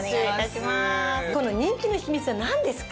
この人気の秘密はなんですか？